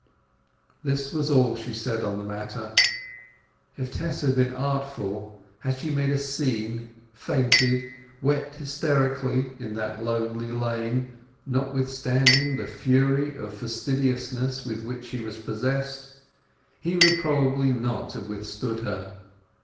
That was all she said on the matter. If Tess had been artful, had she made a scene, fainted, wept hysterically, in that lonely lane, notwithstanding the fury of fastidiousness with which he was possessed, he would probably not have withstood her.